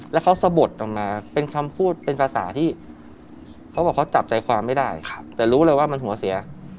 แล้วเขาสะบดออกมาเป็นคำพูดเป็นภาษาที่เขาบอกเขาจับใจความไม่ได้แต่รู้เลยว่ามันหัวเสีย